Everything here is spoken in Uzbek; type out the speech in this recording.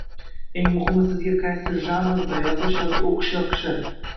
Eng muhimi Sizga qaysi janrda yozish yoki o’qish yoqishi